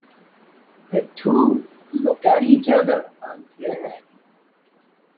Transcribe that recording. The two look at each other again.